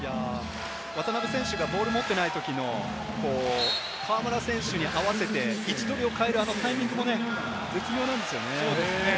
渡邊選手がボールを持っていないときの河村選手に合わせて、位置取りを変えるタイミングも絶妙なんですよね。